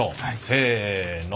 せの。